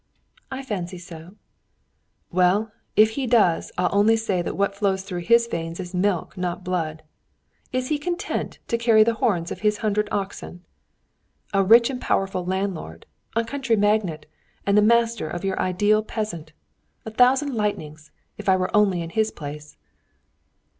"I fancy so." "Well, if he does, I'll only say that what flows through his veins is milk, not blood. Is he content to carry the horns of his hundred oxen? A rich and powerful landlord, a county magnate, and the master of your ideal peasant! A thousand lightnings! if I were only in his place!"